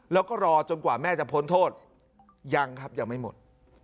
แล้วก็รอจนกว่าแม่จะพ้นโทษยังครับยังไม่หมด